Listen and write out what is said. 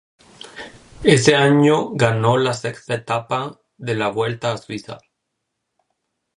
Ese año ganó la sexta etapa de la Vuelta a Suiza.